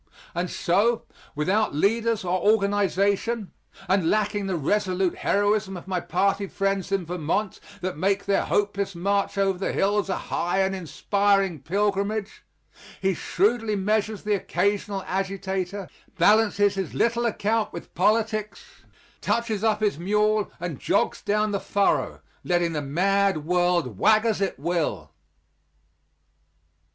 And so, without leaders or organization and lacking the resolute heroism of my party friends in Vermont that make their hopeless march over the hills a high and inspiring pilgrimage he shrewdly measures the occasional agitator, balances his little account with politics, touches up his mule, and jogs down the furrow, letting the mad world wag as it will!